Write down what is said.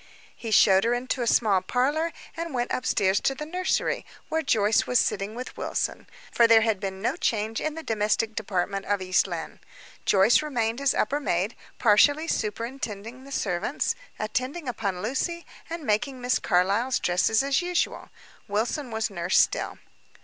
He showed her into a small parlor, and went upstairs to the nursery, where Joyce was sitting with Wilson for there had been no change in the domestic department of East Lynne. Joyce remained as upper maid, partially superintending the servants, attending upon Lucy, and making Miss Carlyle's dresses as usual. Wilson was nurse still.